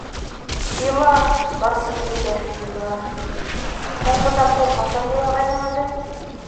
Ила, Барсынбикә, ила... һуңғы тапҡыр ҡасан илағайның әле?